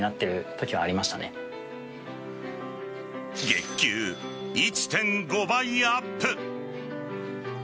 月給１．５倍アップ。